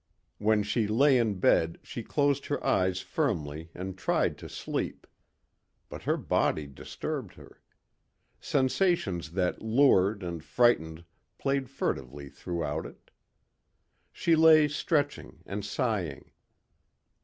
When she lay in bed she closed her eyes firmly and tried to sleep. But her body disturbed her. Sensations that lured and frightened played furtively throughout it. She lay stretching and sighing.